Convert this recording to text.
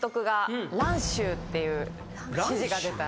っていう指示が出たら。